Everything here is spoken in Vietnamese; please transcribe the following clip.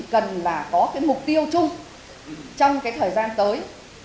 cần là có cái mục tiêu chung trong cái thời gian tới